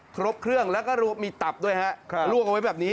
ครบเครื่องแล้วก็มีตับด้วยฮะลวกเอาไว้แบบนี้